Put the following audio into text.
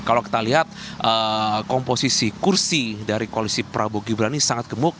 kalau kita lihat komposisi kursi dari koalisi prabowo gibran ini sangat gemuk